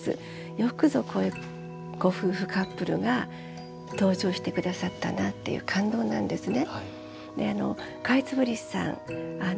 よくぞこういうご夫婦カップルが登場して下さったなっていう感動なんですね。